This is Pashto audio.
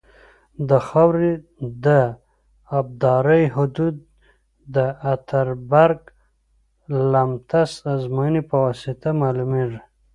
د خاورې د ابدارۍ حدود د اتربرګ لمتس ازموینې په واسطه معلومیږي